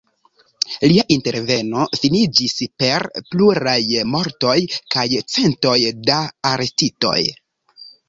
Lia interveno finiĝis per pluraj mortoj kaj centoj da arestitoj.